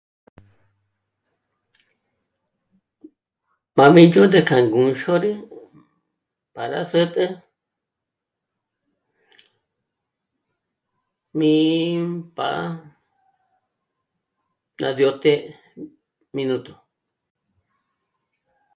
Pá mí ndzhôd'ü kjá ngǔnxôrü pára s'ä̀t'ä mí... pá ná dyóte minuto